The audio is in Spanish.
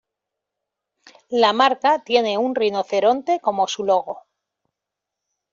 La marca tiene un Rinoceronte como su logo.